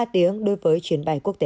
ba tiếng đối với chuyến bay quốc tế